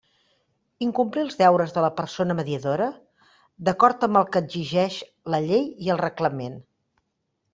Incomplir els deures de la persona mediadora, d'acord amb el que exigeixen la Llei i el Reglament.